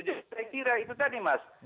jadi saya kira itu tadi mas